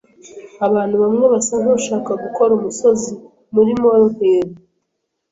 Abantu bamwe basa nkushaka gukora umusozi muri molehill.